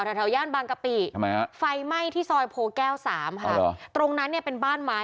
แถวย่านบางกะปิทำไมฮะไฟไหม้ที่ซอยโพแก้วสามค่ะตรงนั้นเนี่ยเป็นบ้านไม้